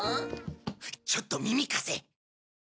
ちょっと耳貸せ。